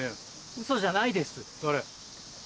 ウソじゃないです。